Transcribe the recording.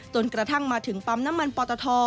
จนกระทั่งมาถึงปั๊มน้ำมันปอตท